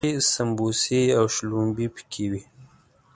ښې سمبوسې او شلومبې پکې وي.